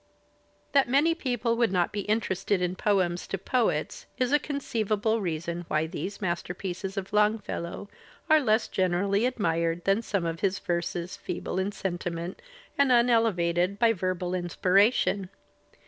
That many people would not be interested in poems to poets is a conceivable reason why these masterpieces of Longfellow are less generally admired than some of his verses feeble in sentiment and unelevated by verbal inspira tion.